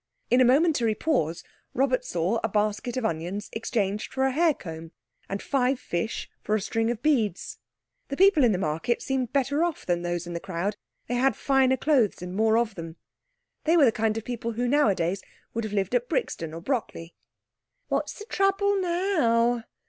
In a momentary pause Robert saw a basket of onions exchanged for a hair comb and five fish for a string of beads. The people in the market seemed better off than those in the crowd; they had finer clothes, and more of them. They were the kind of people who, nowadays, would have lived at Brixton or Brockley. "What's the trouble now?"